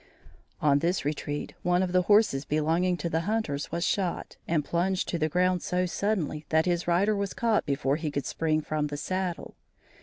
On this retreat, one of the horses belonging to the hunters was shot, and plunged to the ground so suddenly that his rider was caught before he could spring from the saddle.